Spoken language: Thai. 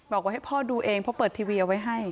บอกว่าให้พ่อดูเองเพราะเปิดทีวีเอาไว้ให้